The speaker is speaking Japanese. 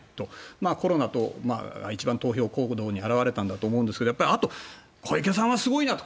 コロナと一番投票行動に表れたんだと思いますがあと、小池さんはすごいなと。